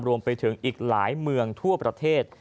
รวมไปถึงอีกหลายเมืองทั่วประเทศ